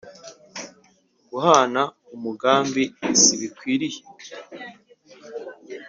guhana umugambi si bikwiriye